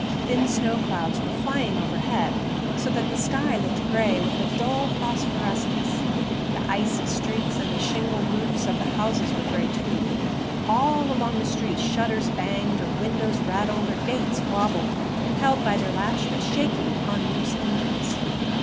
Thin snow clouds were flying overhead, so that the sky looked gray, with a dull phosphorescence. The icy streets and the shingle roofs of the houses were gray, too. All along the street, shutters banged or windows rattled, or gates wobbled, held by their latch but shaking on loose hinges.